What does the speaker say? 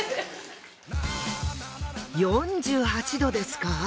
４８℃ですか。